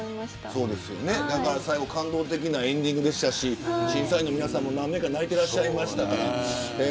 そうですよね、最後感動的なエンディングでしたし審査員の皆さんも何名か泣いてらっしゃいましたから。